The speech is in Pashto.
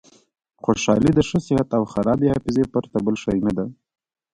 خوشحالي د ښه صحت او خرابې حافظې پرته بل شی نه ده.